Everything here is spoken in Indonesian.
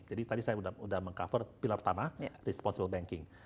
jadi tadi saya sudah meng cover pilar pertama responsible banking